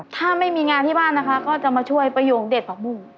ถ้าไม่มีงานที่บ้านนะคะก็จะมาช่วยประโยคเด็ดผักบุ้ง